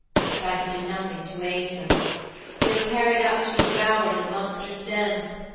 'But I could do nothing to aid them. They were carried up to be devoured in the monster's den.